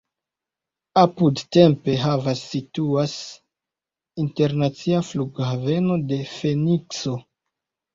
Apud Tempe havas situas internacia flughaveno de Fenikso.